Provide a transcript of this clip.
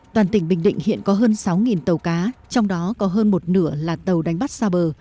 toàn tỉnh bình định hiện có hơn sáu tàu cá trong đó có hơn một nửa là tàu đánh bắt xa bờ